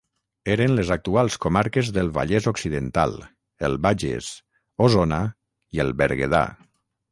Eren les actuals comarques del Vallès Occidental, el Bages, Osona i el Berguedà.